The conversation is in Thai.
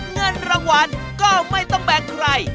เงินรางวัลก็ไม่ต้องแบ่งใคร